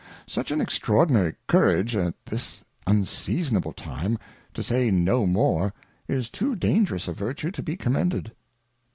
Such an extraordinary Courage at this unseasonable time, to say no more, is too dangerous a Virtue to be commended.